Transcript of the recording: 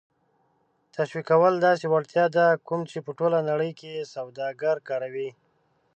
تشویقول داسې وړتیا ده کوم چې په ټوله نړۍ کې سوداګر کاروي.